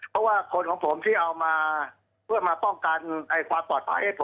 เพราะคนของผมที่เกี่ยวกับเรามาป้องกันความปลอดภัยเข้าไปให้เราครับ